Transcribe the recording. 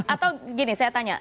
atau gini saya tanya